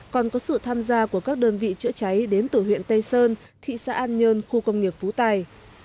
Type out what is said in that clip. còn có sự tham gia của các đơn vị chữa cháy đến từ huyện tây sơn thị xã an nhơn khu công nghiệp phú tài